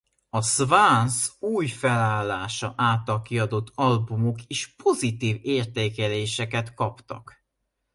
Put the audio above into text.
A Swans új felállása által kiadott albumok is pozitív értékeléseket kaptak.